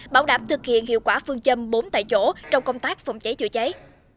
bảo đảm thực hiện hiệu quả phương châm bốn tại chỗ trong công tác phòng cháy chữa cháy